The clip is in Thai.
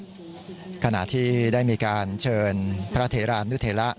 สำหรับแม่น้อยลูกภาษาดีรินตามประแอนนี้โบราษ